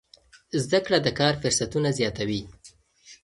زده کړه د کار فرصتونه زیاتوي.